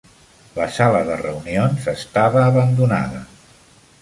La sala de reunions estava abandonada.